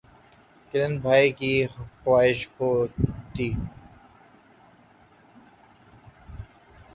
کلن بھائی کی خواہش جوتی